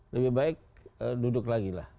lebih baik duduk lagi lah